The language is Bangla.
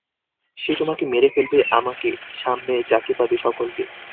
সে তোমাকে মেরে ফেলবে, আমাকে, সামনে যাকে পাবে সকলকে!